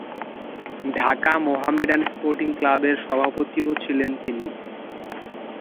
ঢাকা মোহামেডান স্পোর্টিং ক্লাবের সভাপতিও ছিলেন তিনি।